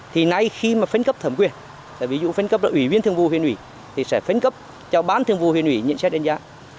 thì nay khi mà phân cấp thẩm quyền ví dụ phân cấp là ủy viên thương vụ huyền ủy thì sẽ phân cấp cho ban thường vụ huyền ủy nhận xét đánh giá